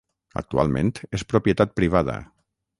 Actualment és propietat privada.